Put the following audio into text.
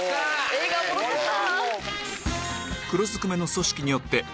映画おもろかった！